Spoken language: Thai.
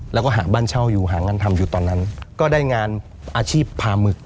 แล้วก็หาบ้านเช่าอยู่หางานทำอยู่ตอนนั้นก็ได้งานอาชีพพาหมึก